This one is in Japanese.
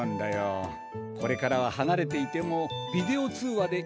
これからははなれていてもビデオ通話でいつでも話せるぞ。